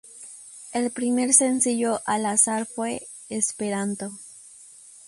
El primer sencillo a lanzar fue "Esperanto".